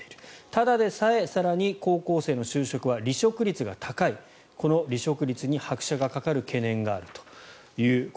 ただでさえ更に高校生の就職は離職率が高いこの離職率に拍車がかかる懸念があると。